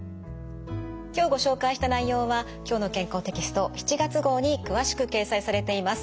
今日ご紹介した内容は「きょうの健康」テキスト７月号に詳しく掲載されています。